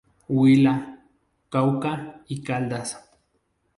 Huila, Cauca y Caldas.